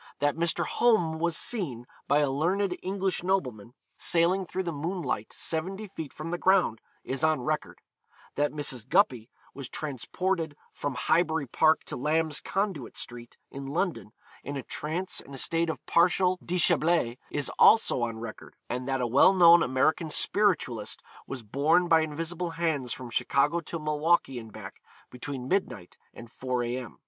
That Mr. Home was seen, by a learned English nobleman, sailing through the moonlight seventy feet from the ground, is on record; that Mrs. Guppy was transported from Highbury Park to Lamb's Conduit Street, in London, in a trance and a state of partial déshabille, is also on record; and that a well known American spiritualist was borne by invisible hands from Chicago to Milwaukee and back, between midnight and 4 A.M.